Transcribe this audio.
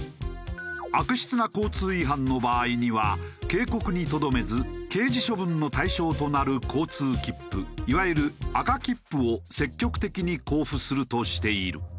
悪質な交通違反の場合には警告にとどめず刑事処分の対象となる交通切符いわゆる赤切符を積極的に交付するとしている。